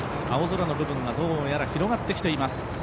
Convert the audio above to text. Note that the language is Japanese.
青空の部分が広がってきています